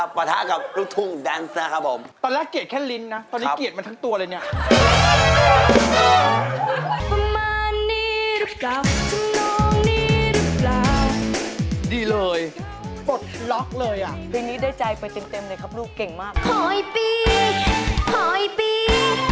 ผ่อยปีผ่อยปีผ่อยปีสาวโดยโคยปี